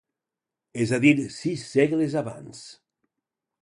És a dir, sis segles abans.